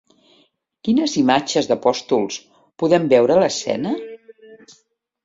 Quines imatges d'apòstols podem veure a l'escena?